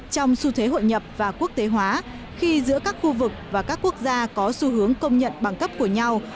trong xu thế hội nhập và quốc tế hóa khi giữa các khu vực và các quốc gia có xu hướng công nhận bằng cấp của nhau